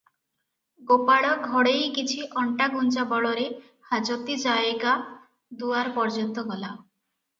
ଗୋପାଳ ଘଡ଼େଇ କିଛି ଅଣ୍ଟାଗୁଞ୍ଜା ବଳରେ ହାଜତି ଜାଏଗା ଦୁଆର ପର୍ଯ୍ୟନ୍ତ ଗଲା ।